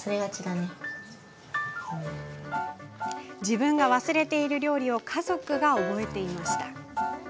自分が忘れている料理を家族が覚えていました。